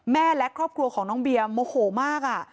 แม่และครอบครัวของน้องเบียร์โมโหมาก